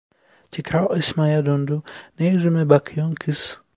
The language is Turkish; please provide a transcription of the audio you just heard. Tekrar Esma'ya döndü: "Ne yüzüme bakıyon kız?"